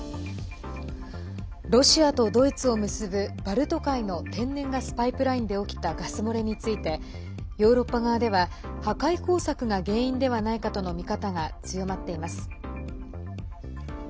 ロシアとドイツを結ぶバルト海の天然ガスパイプラインで起きたガス漏れについてヨーロッパ側では破壊工作が原因ではないかとの見方が強まっています。